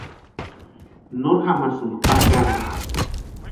Nori jamsïnka pakarani.